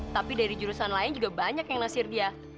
tapi dari jurusan lain juga banyak yang nasir dia